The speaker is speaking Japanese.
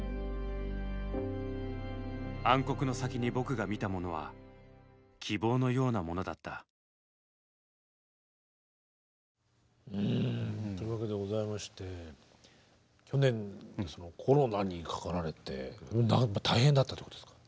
「暗黒の先に僕が見たものは希望のようなものだった」。というわけでございまして去年コロナにかかられてやっぱ大変だったってことですか？